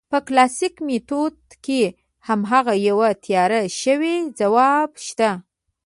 په کلاسیک میتود کې هماغه یو تیار شوی ځواب شته.